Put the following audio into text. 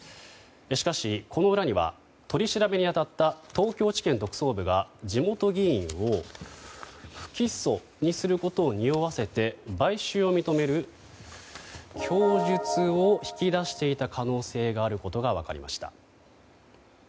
しかし、この裏には取り調べに当たった東京地検特捜部が地元議員を不起訴にすることをにおわせて買収を認める供述を引き出していた可能性があることが分かりました。